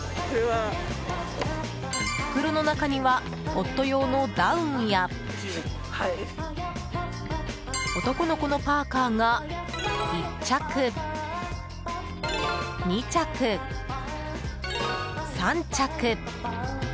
袋の中には、夫用のダウンや男の子のパーカが１着、２着、３着。